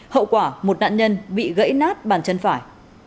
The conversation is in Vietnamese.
hậu quả một nạn nhân bị gãy nát bàn chân phải